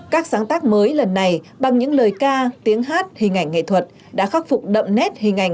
các sáng tác mới lần này bằng những lời ca tiếng hát hình ảnh nghệ thuật đã khắc phục đậm nét hình ảnh